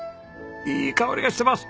いい香りがしてます！